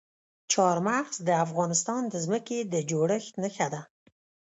چار مغز د افغانستان د ځمکې د جوړښت نښه ده.